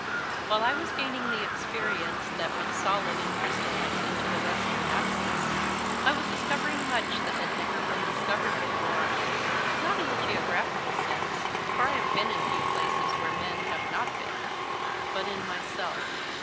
While I was gain ing the experience that went solid and crys* tallised into The Wes tern Avernus, I was discovering much that had never been dis covered before, not in a geographical sense for I have been in few places where men have not been but in myself.